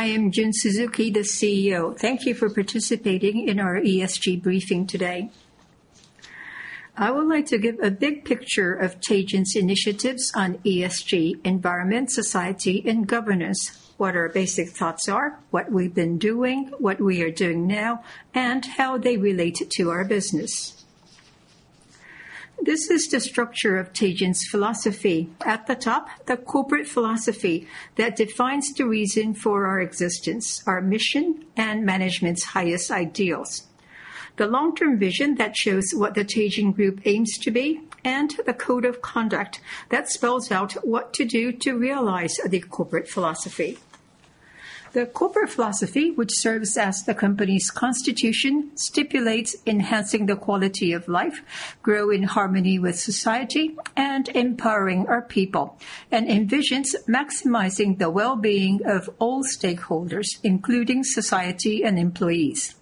I am Jun Suzuki, the CEO. Thank you for participating in our ESG briefing today. I would like to give a big picture of Teijin's initiatives on ESG, environment, society, and governance, what our basic thoughts are, what we've been doing, what we are doing now, and how they relate to our business. This is the structure of Teijin's philosophy. At the top, the corporate philosophy that defines the reason for our existence, our mission, and management's highest ideals. The long-term vision that shows what the Teijin Group aims to be, and a code of conduct that spells out what to do to realize the corporate philosophy. The corporate philosophy, which serves as the company's constitution, stipulates enhancing the quality of life, grow in harmony with society, and empowering our people. Envisions maximizing the well-being of all stakeholders, including society and employees.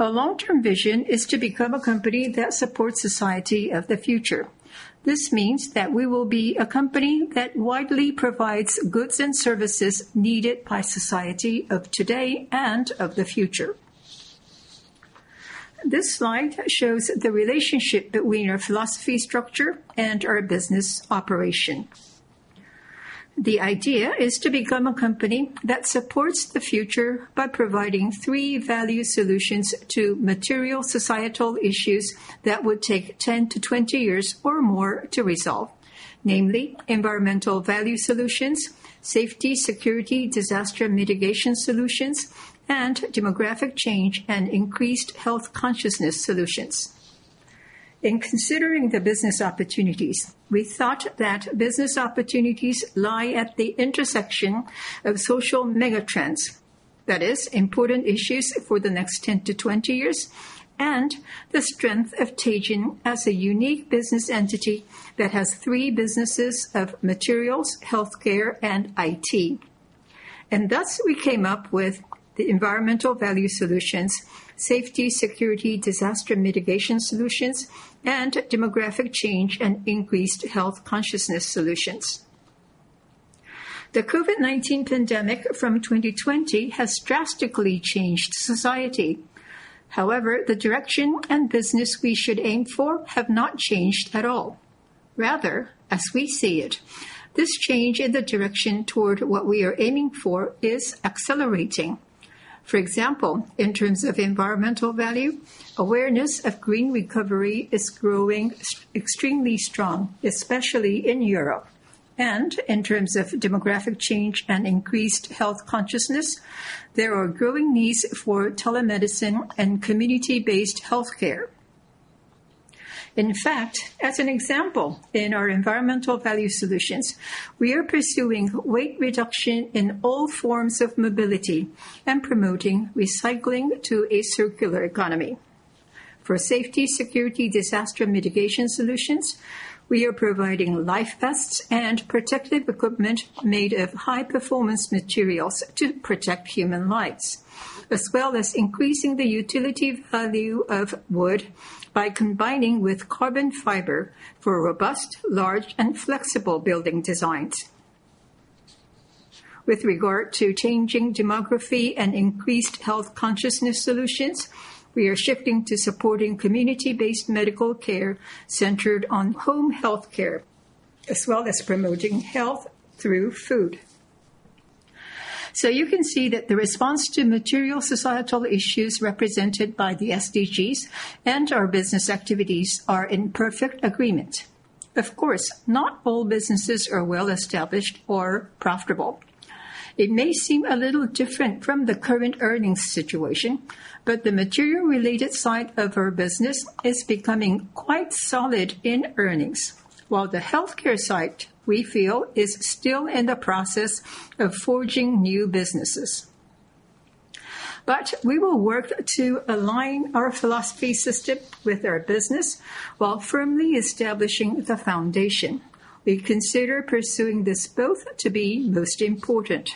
Our long-term vision is to become a company that supports society of the future. This means that we will be a company that widely provides goods and services needed by society of today and of the future. This slide shows the relationship between our philosophy structure and our business operation. The idea is to become a company that supports the future by providing three value solutions to material societal issues that would take 10-20 years or more to resolve. Namely, environmental value solutions, safety, security, disaster mitigation solutions, and demographic change and increased health consciousness solutions. In considering the business opportunities, we thought that business opportunities lie at the intersection of social mega-trends. That is important issues for the next 10-20 years, and the strength of Teijin as a unique business entity that has three businesses of materials, healthcare, and IT. Thus, we came up with the environmental value solutions, safety, security, disaster mitigation solutions, and demographic change and increased health consciousness solutions. The COVID-19 pandemic from 2020 has drastically changed society. However, the direction and business we should aim for have not changed at all. Rather, as we see it, this change in the direction toward what we are aiming for is accelerating. For example, in terms of environmental value, awareness of green recovery is growing extremely strong, especially in Europe. In terms of demographic change and increased health consciousness, there are growing needs for telemedicine and community-based healthcare. In fact, as an example, in our environmental value solutions, we are pursuing weight reduction in all forms of mobility and promoting recycling to a circular economy. For safety, security, disaster mitigation solutions, we are providing life vests and protective equipment made of high-performance materials to protect human lives. As well as increasing the utility value of wood by combining with carbon fiber for robust, large, and flexible building designs. With regard to changing demography and increased health consciousness solutions, we are shifting to supporting community-based medical care centered on home healthcare, as well as promoting health through food. You can see that the response to material societal issues represented by the SDGs and our business activities are in perfect agreement. Of course, not all businesses are well-established or profitable. It may seem a little different from the current earnings situation, but the material-related side of our business is becoming quite solid in earnings. While the healthcare side, we feel, is still in the process of forging new businesses. We will work to align our philosophy system with our business while firmly establishing the foundation. We consider pursuing this both to be most important.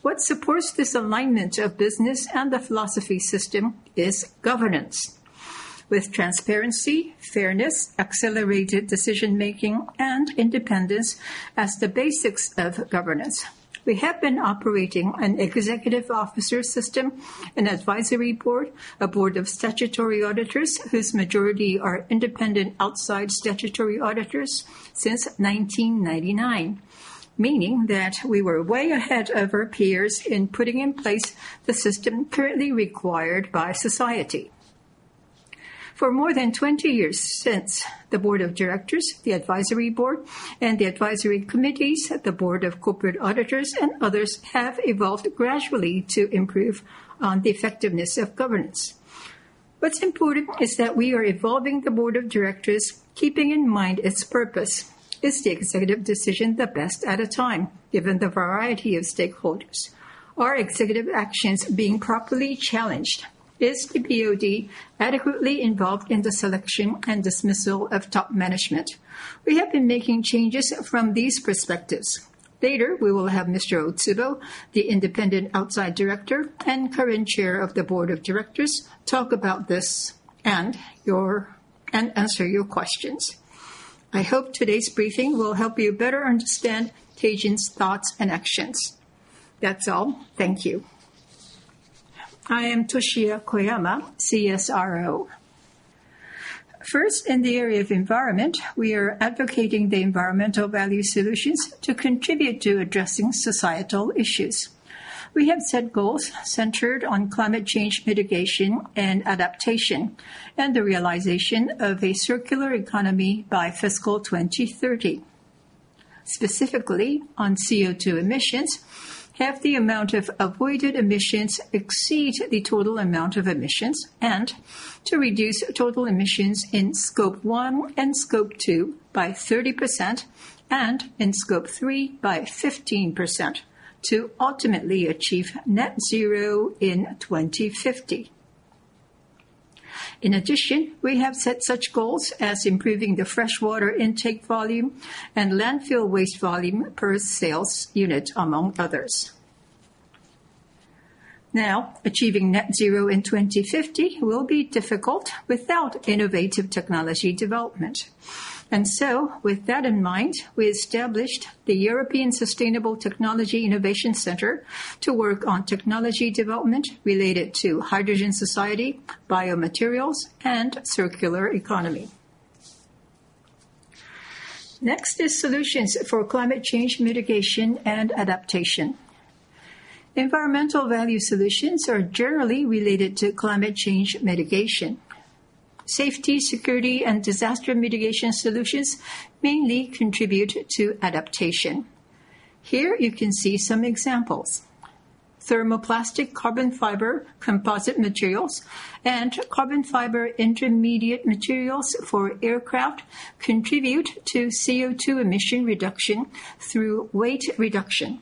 What supports this alignment of business and the philosophy system is governance. With transparency, fairness, accelerated decision-making, and independence as the basics of governance. We have been operating an executive officer system, an advisory board, a board of statutory auditors, whose majority are independent outside statutory auditors since 1999. Meaning that we were way ahead of our peers in putting in place the system currently required by society. For more than 20 years since, the board of directors, the advisory board, and the advisory committees, the board of corporate auditors, and others have evolved gradually to improve on the effectiveness of governance. What's important is that we are evolving the board of directors keeping in mind its purpose. Is the executive decision the best at a time, given the variety of stakeholders? Are executive actions being properly challenged? Is the BOD adequately involved in the selection and dismissal of top management? We have been making changes from these perspectives. Later, we will have Mr. Otsubo, the Independent Outside Director and current Chair of the Board of Directors, talk about this and answer your questions. I hope today's briefing will help you better understand Teijin's thoughts and actions. That's all. Thank you. I am Toshiya Koyama, CSRO. First, in the area of environment, we are advocating the environmental value solutions to contribute to addressing societal issues. We have set goals centered on climate change mitigation and adaptation, and the realization of a circular economy by fiscal 2030. Specifically, on CO2 emissions, have the amount of avoided emissions exceed the total amount of emissions, and to reduce total emissions in Scope one and Scope two by 30%, and in Scope three by 15% to ultimately achieve net zero in 2050. In addition, we have set such goals as improving the fresh water intake volume and landfill waste volume per sales unit, among others. Now, achieving net zero in 2050 will be difficult without innovative technology development. With that in mind, we established the European Sustainable Technology Innovation Center to work on technology development related to hydrogen society, biomaterials, and circular economy. Next is solutions for climate change mitigation and adaptation. Environmental value solutions are generally related to climate change mitigation. Safety, security, and disaster mitigation solutions mainly contribute to adaptation. Here you can see some examples. Thermoplastic carbon fiber composite materials and carbon fiber intermediate materials for aircraft contribute to CO2 emission reduction through weight reduction.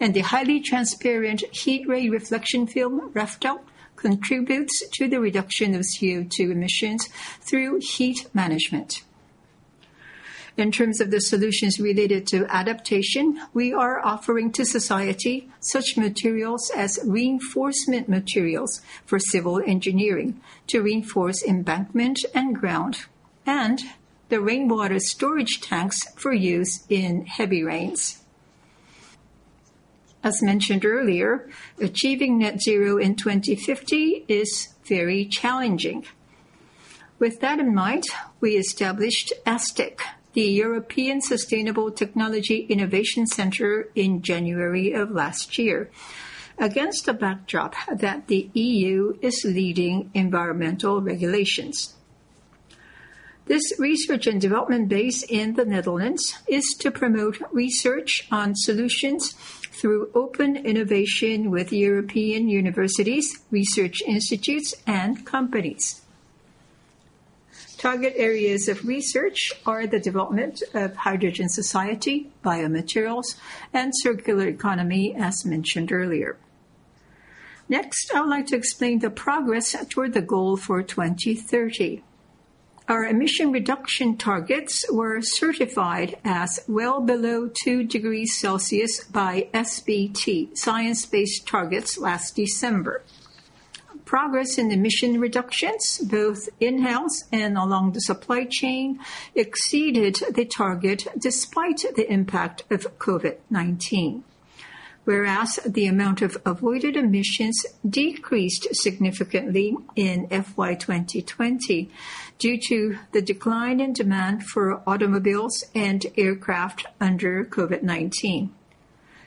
The highly transparent heat ray reflection film, REFTEL, contributes to the reduction of CO2 emissions through heat management. In terms of the solutions related to adaptation, we are offering to society such materials as reinforcement materials for civil engineering to reinforce embankment and ground, and the rainwater storage tanks for use in heavy rains. As mentioned earlier, achieving net zero in 2050 is very challenging. With that in mind, we established ESTIC, the European Sustainable Technology Innovation Center, in January of last year against the backdrop that the EU is leading environmental regulations. This research and development base in the Netherlands is to promote research on solutions through open innovation with European universities, research institutes, and companies. Target areas of research are the development of hydrogen society, biomaterials, and circular economy, as mentioned earlier. Next, I would like to explain the progress toward the goal for 2030. Our emission reduction targets were certified as well below two degrees Celcius by SBT, Science Based Targets, last December. Progress in emission reductions, both in-house and along the supply chain, exceeded the target despite the impact of COVID-19. Whereas the amount of avoided emissions decreased significantly in FY 2020 due to the decline in demand for automobiles and aircraft under COVID-19.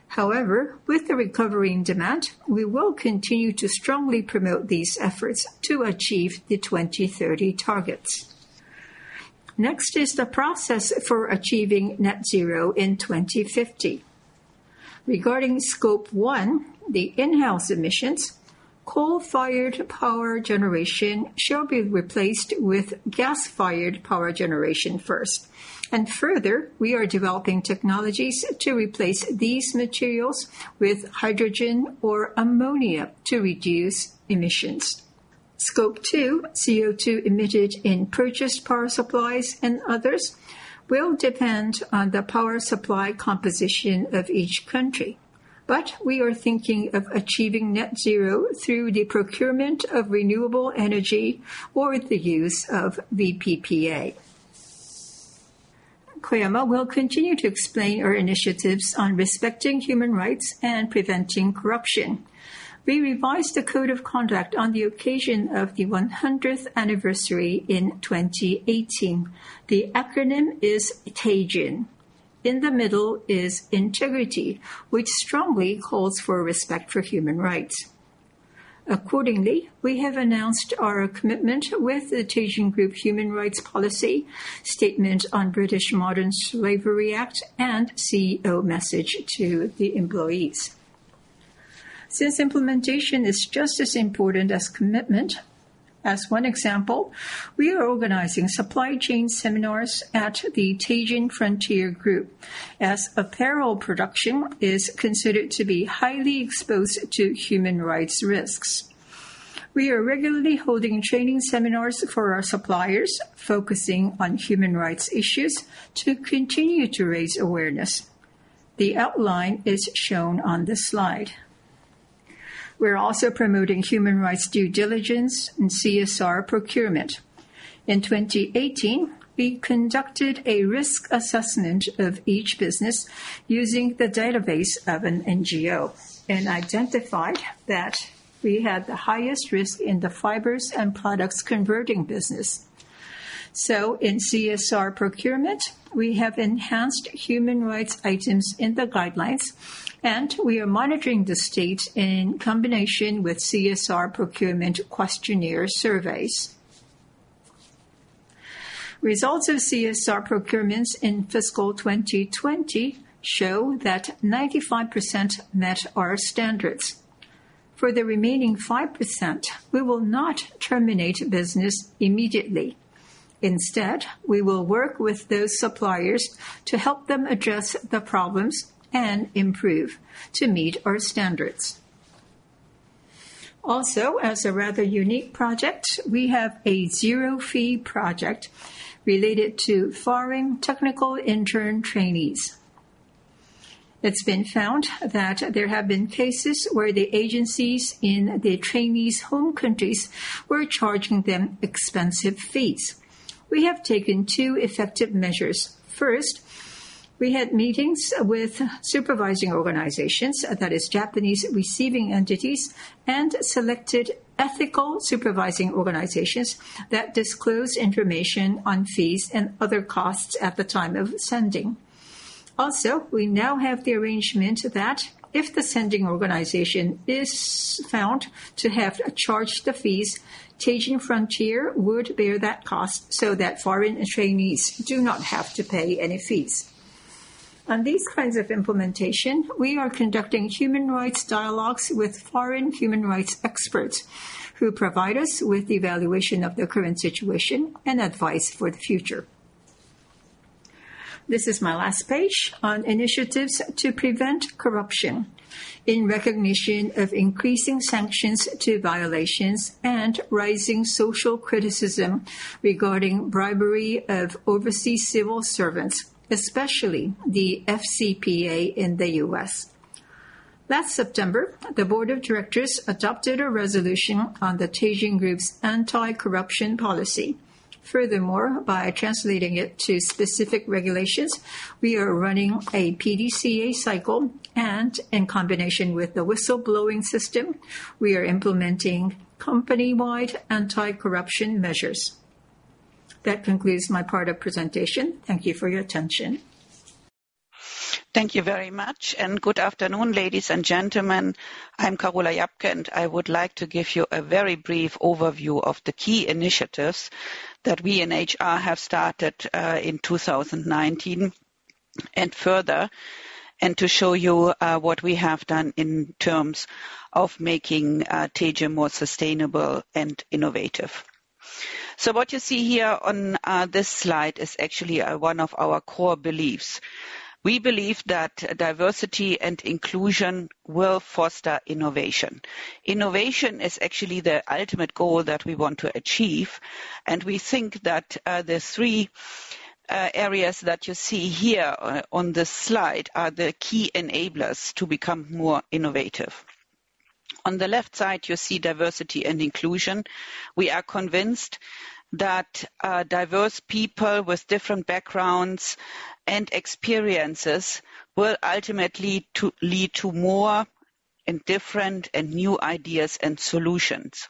However, with the recovery in demand, we will continue to strongly promote these efforts to achieve the 2030 targets. Next is the process for achieving net zero in 2050. Regarding Scope one, the in-house emissions, coal-fired power generation shall be replaced with gas-fired power generation first. Further, we are developing technologies to replace these materials with hydrogen or ammonia to reduce emissions. Scope two, CO2 emitted in purchased power supplies and others, will depend on the power supply composition of each country. We are thinking of achieving net zero through the procurement of renewable energy or the use of VPPA. Koyama will continue to explain our initiatives on respecting human rights and preventing corruption. We revised the code of conduct on the occasion of the 100th anniversary in 2018. The acronym is Teijin. In the middle is integrity, which strongly calls for respect for human rights. Accordingly, we have announced our commitment with the Teijin Group human rights policy statement on Modern Slavery Act 2015 and CEO message to the employees. Since implementation is just as important as commitment, as one example, we are organizing supply chain seminars at the Teijin Frontier Group, as apparel production is considered to be highly exposed to human rights risks. We are regularly holding training seminars for our suppliers, focusing on human rights issues to continue to raise awareness. The outline is shown on this slide. We're also promoting human rights due diligence in CSR procurement. In 2018, we conducted a risk assessment of each business using the database of an NGO, and identified that we had the highest risk in the fibers and products converting business. In CSR procurement, we have enhanced human rights items in the guidelines, and we are monitoring the state in combination with CSR procurement questionnaire surveys. Results of CSR procurements in fiscal 2020 show that 95% met our standards. For the remaining 5%, we will not terminate business immediately. Instead, we will work with those suppliers to help them address the problems and improve to meet our standards. Also, as a rather unique project, we have a zero-fee project related to foreign technical intern trainees. It's been found that there have been cases where the agencies in the trainees' home countries were charging them expensive fees. We have taken two effective measures. First, we had meetings with supervising organizations, that is Japanese receiving entities, and selected ethical supervising organizations that disclose information on fees and other costs at the time of sending. Also, we now have the arrangement that if the sending organization is found to have charged the fees, Teijin Frontier would bear that cost so that foreign trainees do not have to pay any fees. On these kinds of implementation, we are conducting human rights dialogues with foreign human rights experts who provide us with evaluation of the current situation and advice for the future. This is my last page on initiatives to prevent corruption. In recognition of increasing sanctions to violations and rising social criticism regarding bribery of overseas civil servants, especially the FCPA in the U.S., last September, the board of directors adopted a resolution on the Teijin Group's anti-corruption policy. Furthermore, by translating it to specific regulations, we are running a PDCA cycle, and in combination with the whistleblowing system, we are implementing company-wide anti-corruption measures. That concludes my part of presentation. Thank you for your attention. Thank you very much, and good afternoon, ladies and gentlemen. I'm Karola Japke, and I would like to give you a very brief overview of the key initiatives that we in HR have started in 2019 and further, and to show you what we have done in terms of making Teijin more sustainable and innovative. What you see here on this slide is actually one of our core beliefs. We believe that diversity and inclusion will foster innovation. Innovation is actually the ultimate goal that we want to achieve, and we think that the three areas that you see here on this slide are the key enablers to become more innovative. On the left side, you see diversity and inclusion. We are convinced that diverse people with different backgrounds and experiences will ultimately to lead to more and different and new ideas and solutions.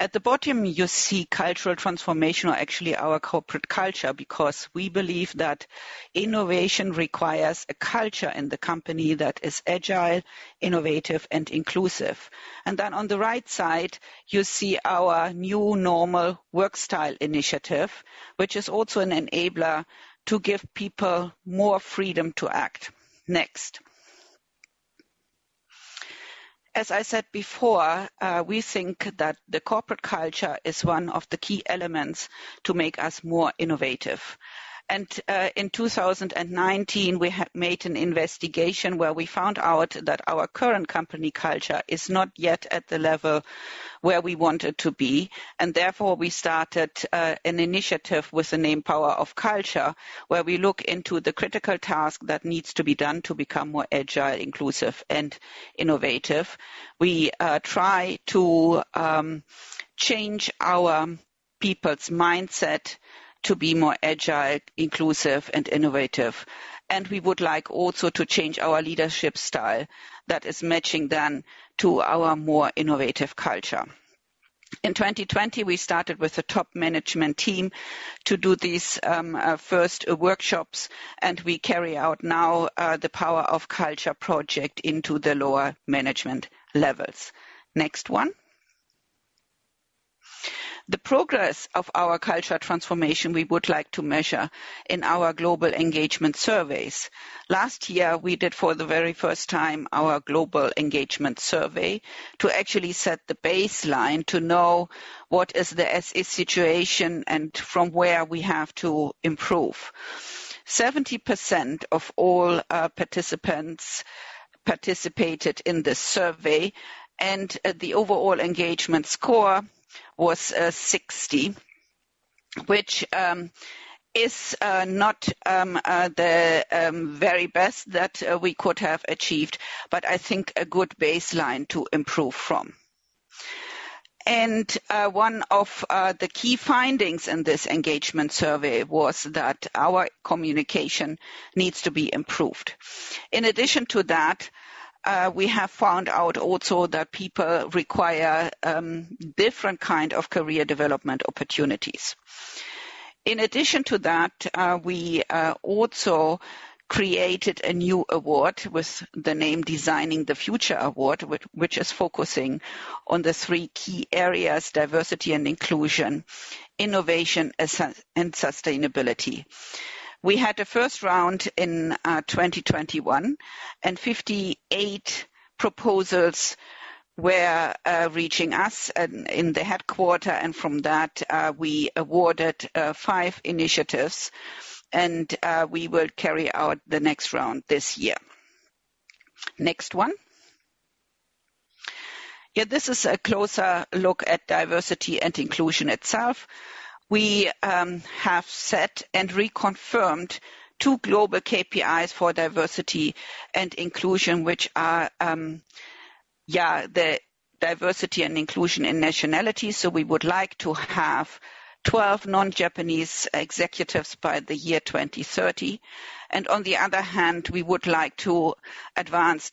At the bottom, you see cultural transformation or actually our corporate culture because we believe that innovation requires a culture in the company that is agile, innovative, and inclusive. Then on the right side, you see our new normal work style initiative, which is also an enabler to give people more freedom to act. Next. As I said before, we think that the corporate culture is one of the key elements to make us more innovative. In 2019, we have made an investigation where we found out that our current company culture is not yet at the level where we want it to be, and therefore, we started an initiative with the name Power of Culture, where we look into the critical task that needs to be done to become more agile, inclusive, and innovative. We try to change our people's mindset to be more agile, inclusive, and innovative. We would like also to change our leadership style that is matching then to our more innovative culture. In 2020, we started with the top management team to do these first workshops, and we carry out now the Power of Culture project into the lower management levels. Next one. The progress of our culture transformation we would like to measure in our global engagement surveys. Last year, we did for the very first time our global engagement survey to actually set the baseline to know what is the as-is situation and from where we have to improve. 70% of all participants participated in this survey, and the overall engagement score was 60, which is not the very best that we could have achieved, but I think a good baseline to improve from. One of the key findings in this engagement survey was that our communication needs to be improved. In addition to that, we have found out also that people require different kind of career development opportunities. In addition to that, we also created a new award with the name Designing the Future Award, which is focusing on the three key areas, diversity and inclusion, innovation, and sustainability. We had a first round in 2021, and 58 proposals were reaching us in the headquarters, and from that, we awarded five initiatives. We will carry out the next round this year. Next one. This is a closer look at diversity and inclusion itself. We have set and reconfirmed two global KPIs for diversity and inclusion, which are the diversity and inclusion in nationality. We would like to have 12 non-Japanese executives by the year 2030. On the other hand, we would like to advance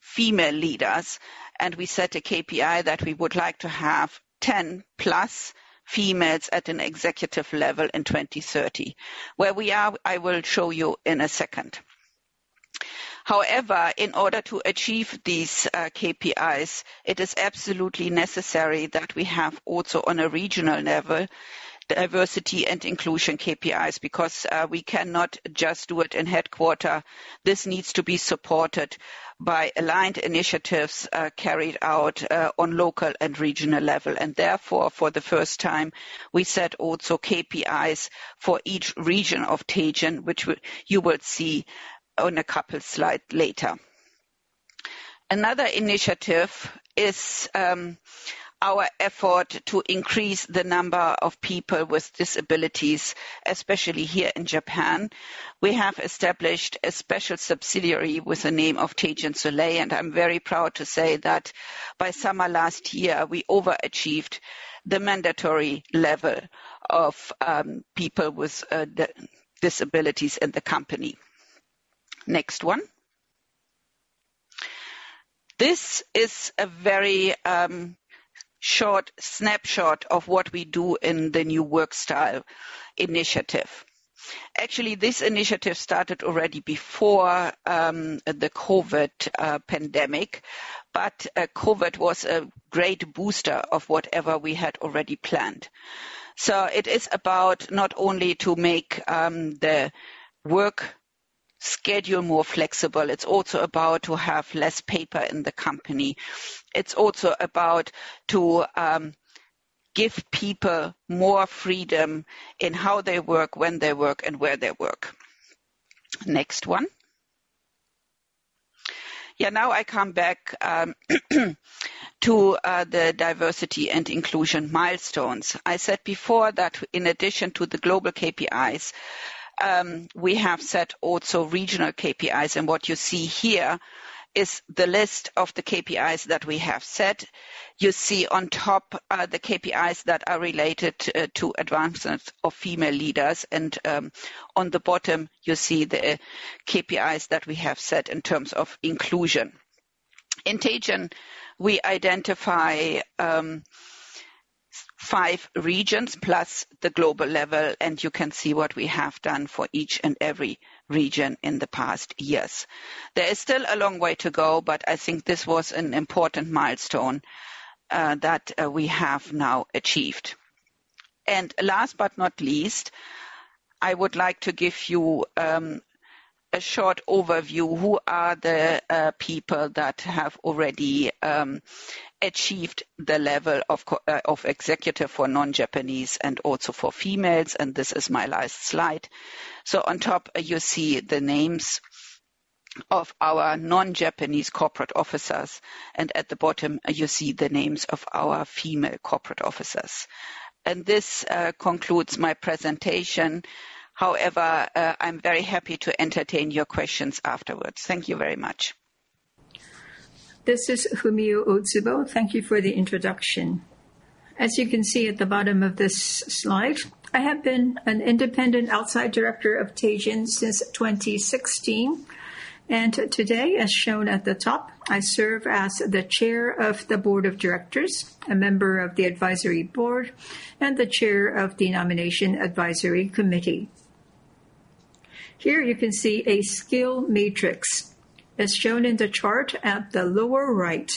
female leaders, and we set a KPI that we would like to have 10+ females at an executive level in 2030. Where we are, I will show you in a second. However, in order to achieve these KPIs, it is absolutely necessary that we have also on a regional level, diversity and inclusion KPIs, because we cannot just do it in headquarters. This needs to be supported by aligned initiatives, carried out on local and regional level. Therefore, for the first time, we set also KPIs for each region of Teijin, which you will see on a couple slide later. Another initiative is our effort to increase the number of people with disabilities, especially here in Japan. We have established a special subsidiary with the name of Teijin Soleil, and I'm very proud to say that by summer last year, we overachieved the mandatory level of people with the disabilities in the company. Next one. This is a very short snapshot of what we do in the new work style initiative. Actually, this initiative started already before the COVID pandemic, but COVID was a great booster of whatever we had already planned. It is about not only to make the work schedule more flexible, it's also about to have less paper in the company. It's also about to give people more freedom in how they work, when they work, and where they work. Next one. Yeah, now I come back to the diversity and inclusion milestones. I said before that in addition to the global KPIs, we have set also regional KPIs. What you see here is the list of the KPIs that we have set. You see on top are the KPIs that are related to advancement of female leaders. On the bottom, you see the KPIs that we have set in terms of inclusion. In Teijin, we identify five regions plus the global level, and you can see what we have done for each and every region in the past years. There is still a long way to go, but I think this was an important milestone that we have now achieved. Last but not least, I would like to give you a short overview. Who are the people that have already achieved the level of corporate officer for non-Japanese and also for females? This is my last slide. On top, you see the names of our non-Japanese corporate officers, and at the bottom, you see the names of our female corporate officers. This concludes my presentation. However, I'm very happy to entertain your questions afterwards. Thank you very much. This is Fumio Otsubo. Thank you for the introduction. As you can see at the bottom of this slide, I have been an independent outside director of Teijin since 2016. Today, as shown at the top, I serve as the Chair of the Board of Directors, a member of the advisory board, and the Chair of the Nomination Advisory Committee. Here you can see a skill matrix. As shown in the chart at the lower right,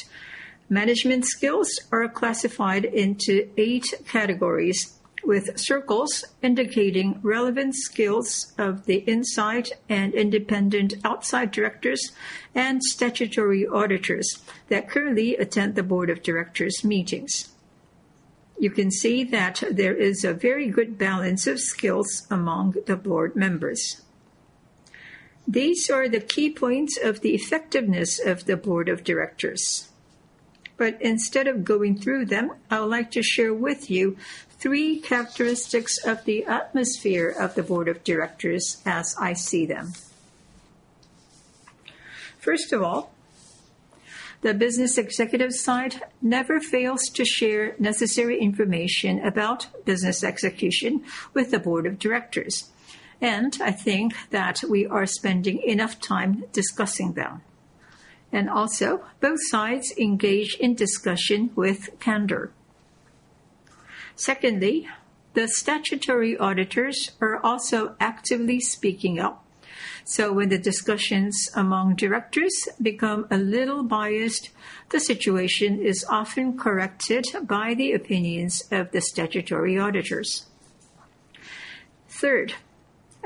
management skills are classified into eight categories, with circles indicating relevant skills of the inside and independent outside directors and statutory auditors that currently attend the board of directors meetings. You can see that there is a very good balance of skills among the board members. These are the key points of the effectiveness of the board of directors. Instead of going through them, I would like to share with you three characteristics of the atmosphere of the board of directors as I see them. First of all, the business executive side never fails to share necessary information about business execution with the board of directors, and I think that we are spending enough time discussing them. Both sides engage in discussion with candor. Secondly, the statutory auditors are also actively speaking up. When the discussions among directors become a little biased, the situation is often corrected by the opinions of the statutory auditors. Third,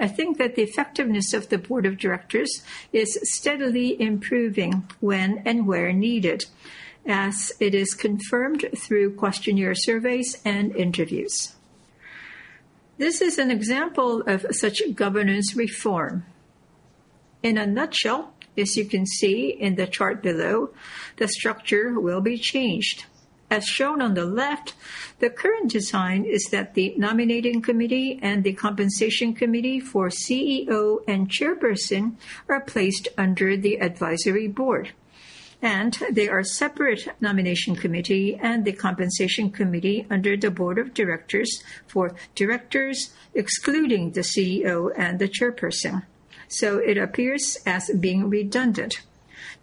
I think that the effectiveness of the board of directors is steadily improving when and where needed as it is confirmed through questionnaire surveys and interviews. This is an example of such governance reform. In a nutshell, as you can see in the chart below, the structure will be changed. As shown on the left, the current design is that the nominating committee and the compensation committee for CEO and chairperson are placed under the advisory board. There are separate nomination committee and the compensation committee under the board of directors for directors, excluding the CEO and the chairperson. It appears as being redundant.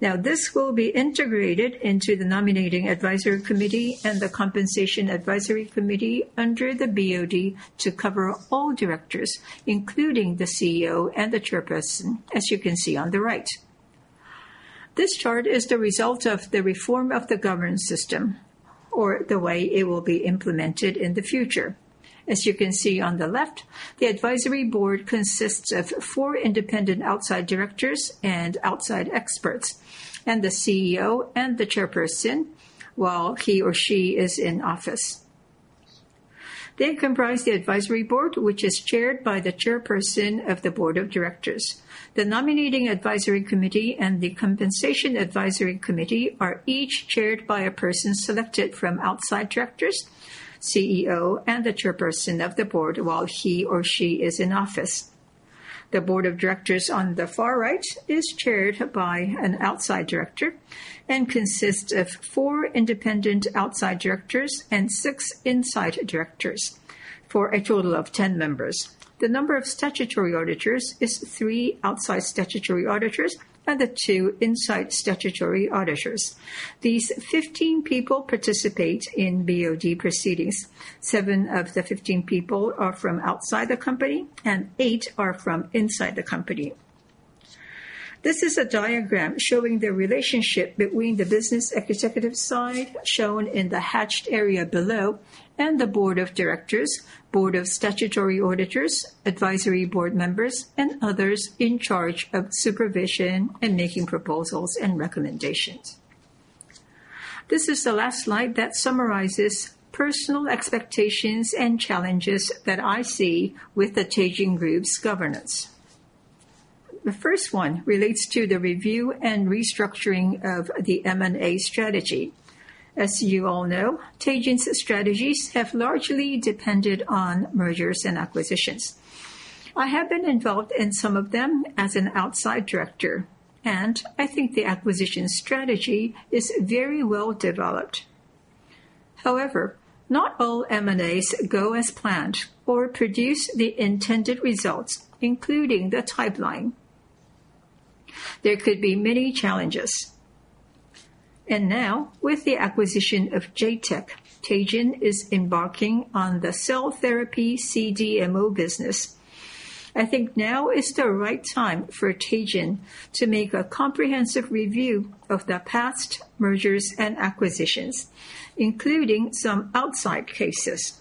Now, this will be integrated into the nominating advisory committee and the compensation advisory committee under the BOD to cover all directors, including the CEO and the chairperson, as you can see on the right. This chart is the result of the reform of the governance system or the way it will be implemented in the future. As you can see on the left, the advisory board consists of four independent outside directors and outside experts and the CEO and the chairperson, while he or she is in office. They comprise the advisory board, which is chaired by the Chairperson of the Board of Directors. The nominating advisory committee and the compensation advisory committee are each chaired by a person selected from outside directors, CEO, and the Chairperson of the Board while he or she is in office. The Board of Directors on the far right is chaired by an outside director and consists of four independent outside directors and six inside directors for a total of 10 members. The number of statutory auditors is three outside statutory auditors and the two inside statutory auditors. These 15 people participate in BOD proceedings. Seven of the 15 people are from outside the company, and eight are from inside the company. This is a diagram showing the relationship between the business executive side, shown in the hatched area below, and the board of directors, board of statutory auditors, advisory board members, and others in charge of supervision and making proposals and recommendations. This is the last slide that summarizes personal expectations and challenges that I see with the Teijin Group's governance. The first one relates to the review and restructuring of the M&A strategy. As you all know, Teijin's strategies have largely depended on mergers and acquisitions. I have been involved in some of them as an outside director, and I think the acquisition strategy is very well developed. However, not all M&As go as planned or produce the intended results, including the timeline. There could be many challenges. Now, with the acquisition of J-TEC, Teijin is embarking on the cell therapy CDMO business. I think now is the right time for Teijin to make a comprehensive review of the past mergers and acquisitions, including some outside cases.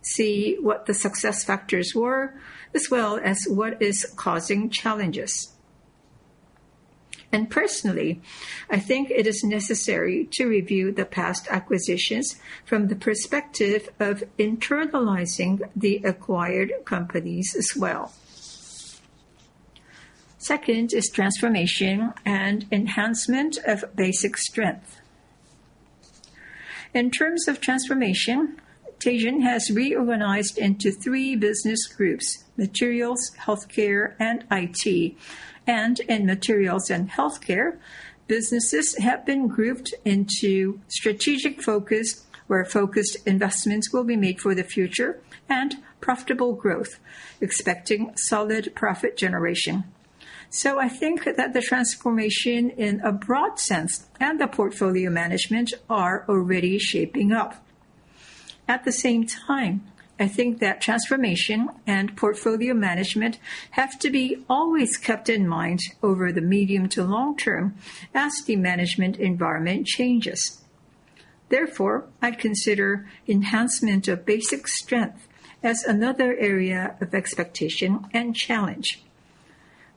See what the success factors were, as well as what is causing challenges. Personally, I think it is necessary to review the past acquisitions from the perspective of internalizing the acquired companies as well. Second is transformation and enhancement of basic strength. In terms of transformation, Teijin has reorganized into three business groups, Materials, Healthcare, and IT. In Materials and Healthcare, businesses have been grouped into strategic focus, where focused investments will be made for the future and profitable growth, expecting solid profit generation. I think that the transformation in a broad sense and the portfolio management are already shaping up. At the same time, I think that transformation and portfolio management have to be always kept in mind over the medium to long term as the management environment changes. Therefore, I consider enhancement of basic strength as another area of expectation and challenge.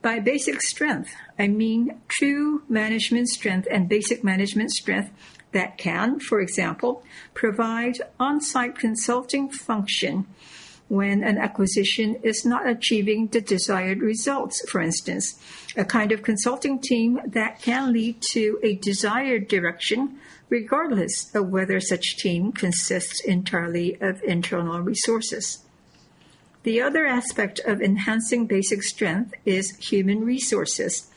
By basic strength, I mean true management strength and basic management strength that can, for example, provide onsite consulting function when an acquisition is not achieving the desired results. For instance, a kind of consulting team that can lead to a desired direction regardless of whether such team consists entirely of internal resources. The other aspect of enhancing basic strength is human resources.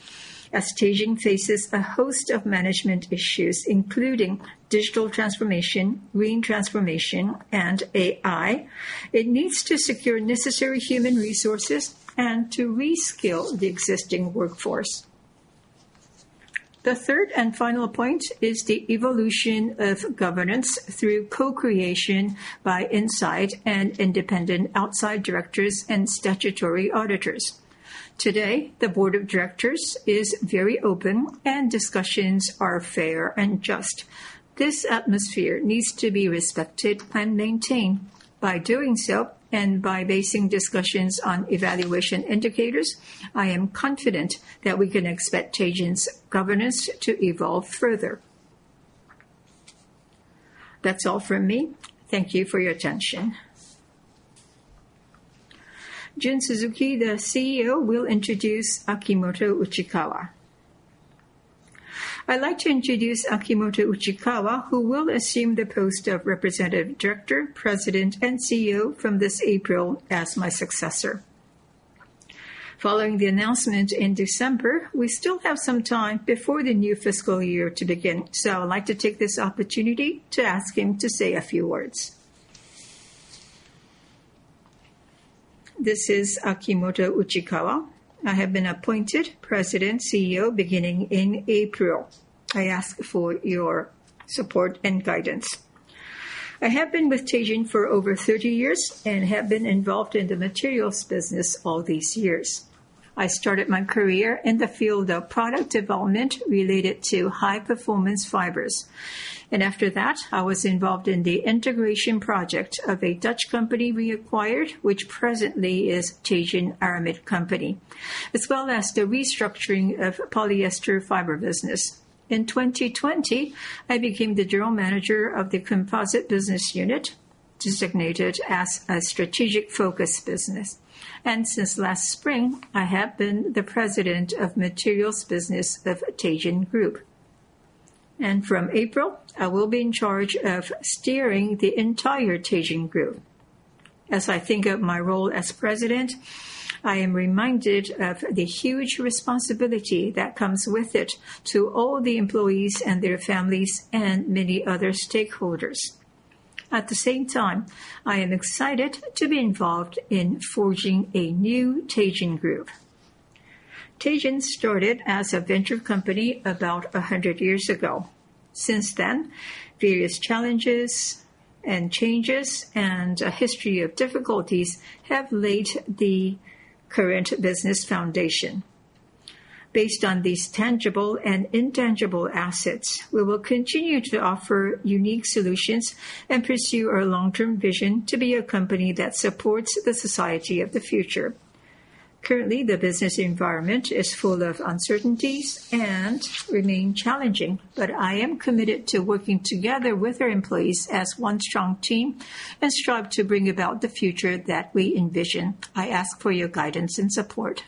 As Teijin faces a host of management issues, including digital transformation, green transformation, and AI, it needs to secure necessary human resources and to reskill the existing workforce. The third and final point is the evolution of governance through co-creation by inside and independent outside directors and statutory auditors. Today, the board of directors is very open and discussions are fair and just. This atmosphere needs to be respected and maintained. By doing so, and by basing discussions on evaluation indicators, I am confident that we can expect Teijin's governance to evolve further. That's all from me. Thank you for your attention. Jun Suzuki, the CEO, will introduce Akimoto Uchikawa. I'd like to introduce Akimoto Uchikawa, who will assume the post of representative director, President, and CEO from this April as my successor. Following the announcement in December, we still have some time before the new fiscal year to begin, so I'd like to take this opportunity to ask him to say a few words. This is Akimoto Uchikawa. I have been appointed President CEO beginning in April. I ask for your support and guidance. I have been with Teijin for over 30 years and have been involved in the materials business all these years. I started my career in the field of product development related to high performance fibers. After that, I was involved in the integration project of a Dutch company we acquired, which presently is Teijin Aramid B.V., as well as the restructuring of polyester fiber business. In 2020, I became the general manager of the composite business unit, designated as a strategic focus business. Since last spring, I have been the President of Materials Business of Teijin Group. From April, I will be in charge of steering the entire Teijin Group. As I think of my role as president, I am reminded of the huge responsibility that comes with it to all the employees and their families and many other stakeholders. At the same time, I am excited to be involved in forging a new Teijin Group. Teijin started as a venture company about 100 years ago. Since then, various challenges and changes and a history of difficulties have laid the current business foundation. Based on these tangible and intangible assets, we will continue to offer unique solutions and pursue our long-term vision to be a company that supports the society of the future. Currently, the business environment is full of uncertainties and remain challenging, but I am committed to working together with our employees as one strong team and strive to bring about the future that we envision. I ask for your guidance and support.